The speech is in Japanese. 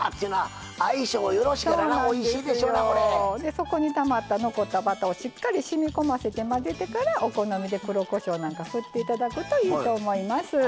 そこにたまった残ったバターをしっかりしみこませ混ぜてからお好みで黒こしょうなんか振っていただくといいと思います。